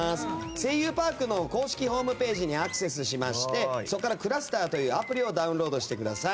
「声優パーク」の公式ホームページにアクセスしましてそこからｃｌｕｓｔｅｒというアプリをダウンロードしてください。